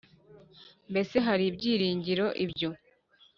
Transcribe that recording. Mbese hari ibyiringiro ibyo